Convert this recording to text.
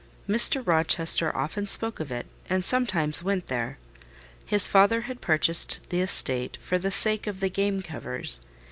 Mr. Rochester often spoke of it, and sometimes went there. His father had purchased the estate for the sake of the game covers.